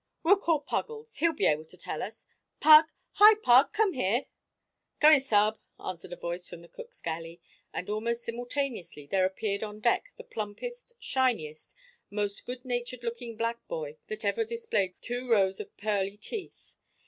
"We'll call Puggles he'll be able to tell us. Pug! Hi, Pug! come here." "Coming, sa'b!" answered a voice from the cook's galley; and almost simultaneously there appeared on deck the plumpest, shiniest, most good natured looking black boy that ever displayed two raws of pearly teeth.